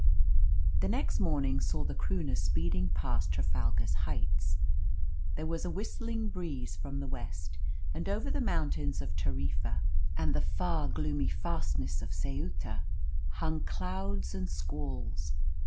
The next morning saw the Croonah speeding past Trafalgar's heights. There was a whistling breeze from the west; and over the mountains of Tarifa and the far gloomy fastness of Ceuta hung clouds and squalls.